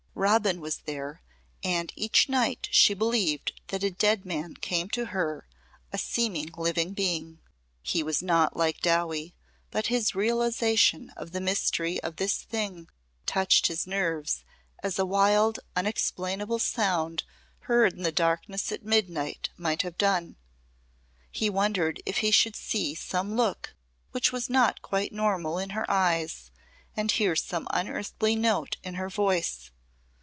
Robin was there and each night she believed that a dead man came to her a seeming living being. He was not like Dowie, but his realisation of the mystery of this thing touched his nerves as a wild unexplainable sound heard in the darkness at midnight might have done. He wondered if he should see some look which was not quite normal in her eyes and hear some unearthly note in her voice.